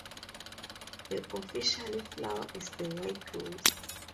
The official flower is the white rose.